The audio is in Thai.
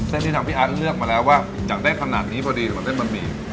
เส้นที่ทางพี่อาเลือกมาแล้วว่าอยากได้ขนาดนี้พอดีกว่าเส้นบะหมี่